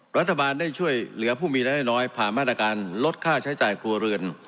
รัฐบาลได้ช่วยเหลือผู้มีรายได้น้อยผ่านมาตรการลดค่าใช้จ่ายครัวเรือน